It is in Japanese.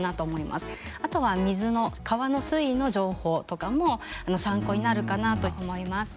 あとは川の水位の情報とかも参考になるかなと思います。